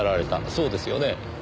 そうですよね？